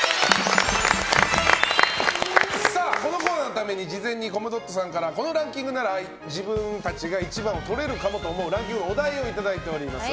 このコーナーのために事前にコムドットさんからこのランキングなら自分たちが１番をとれるかもと思うランキングのお題をいただいております。